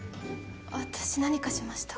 私何かしましたか？